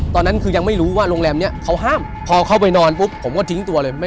ตอนนั้นคือยังไม่รู้ว่าโรงแรมนี้เขาห้ามพอเข้าไปนอนปุ๊บผมก็ทิ้งตัวเลย